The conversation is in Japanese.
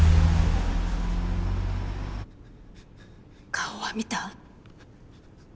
顔は見た？